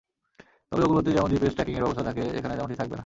তবে ওগুলোতে যেমন জিপিএস ট্র্যাকিংয়ের ব্যবস্থা থাকে, এখানে তেমনটি থাকবে না।